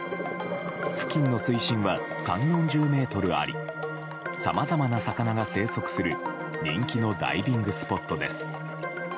付近の水深は３０４０ｍありさまざまな魚が生息する人気のダイビングスポットです。